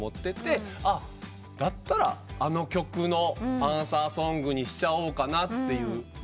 だったらあの曲のアンサーソングにしちゃおうかなと思ったんです。